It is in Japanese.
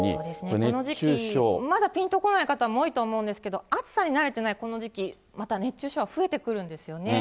この時期まだぴんと来ない方も多いと思うんですけど、暑さに慣れてないこの時期、また熱中症は増えてくるんですよね。